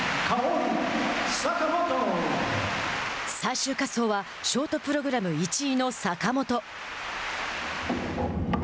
最終滑走はショートプログラム１位の坂本。